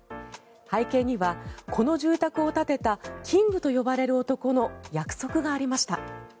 背景には、この住宅を建てたキングと呼ばれる男の約束がありました。